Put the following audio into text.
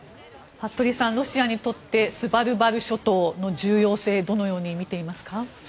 服部さん、ロシアにとってスバルバル諸島の重要性をどのように見ていますか？